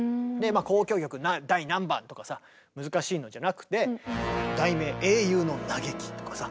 交響曲第何番とかさ難しいのじゃなくて題名「英雄の嘆き」とかさ。